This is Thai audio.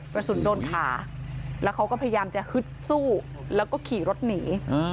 กระสุนโดนขาแล้วเขาก็พยายามจะฮึดสู้แล้วก็ขี่รถหนี